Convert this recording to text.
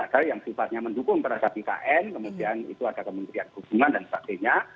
ada yang sifatnya mendukung perasati kn kemudian itu ada kementerian hubungan dan sebagainya